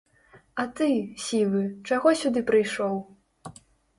А ты, сівы, чаго сюды прыйшоў?